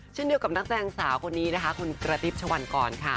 เช่นเดียวกับนักแสดงสาวคนนี้คุณกระติบชวันกร